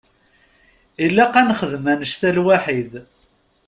Ilaq ad nexdem annect-a lwaḥid.